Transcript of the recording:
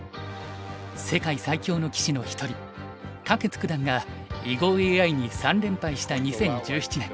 世界最強の棋士の一人柯潔九段が囲碁ＡＩに３連敗した２０１７年。